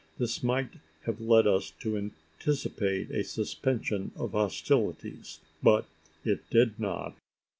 This might have led us to anticipate a suspension of hostilities; but it did not.